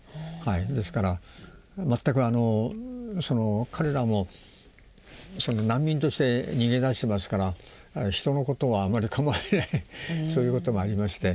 ですから全く彼らも難民として逃げ出してますから人のことはあまり構えないそういうこともありまして。